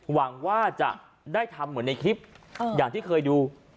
หวังว่าจะได้ทำเหมือนในคลิปอย่างที่เคยดู